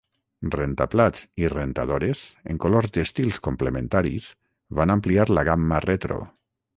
Rentaplats i rentadores en colors i estils complementaris van ampliar la gamma retro.